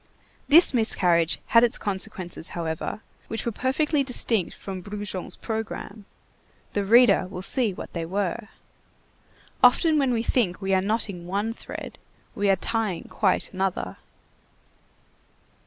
This miscarriage had its consequences, however, which were perfectly distinct from Brujon's programme. The reader will see what they were. Often when we think we are knotting one thread, we are tying quite another.